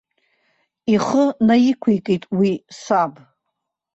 Ихы наиқәикит уи саб.